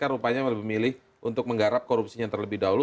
kpk rupanya memilih untuk menggarap korupsinya terlebih dahulu